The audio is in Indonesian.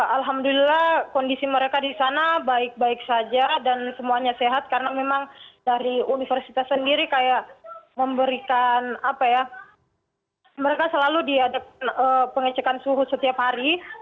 alhamdulillah kondisi mereka di sana baik baik saja dan semuanya sehat karena memang dari universitas sendiri kayak memberikan apa ya mereka selalu diadakan pengecekan suhu setiap hari